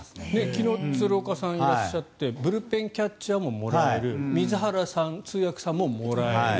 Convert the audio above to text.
昨日鶴岡さんがいらっしゃってブルペンキャッチャーももらえる水原さん、通訳さんももらえる。